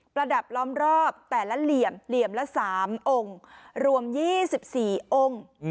ระดับล้อมรอบแต่ละเหลี่ยมเหลี่ยมละ๓องค์รวม๒๔องค์